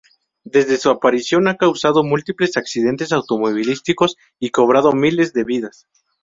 Desde su aparición, ha causado múltiples accidentes automovilísticos y cobrado miles de vidas.